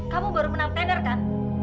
kamu baru enam tender kan